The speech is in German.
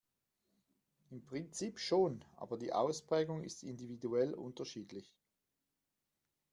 Im Prinzip schon, aber die Ausprägung ist individuell unterschiedlich.